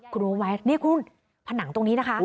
ครูไว้นี่คุณผนังตรงนี้นะคะ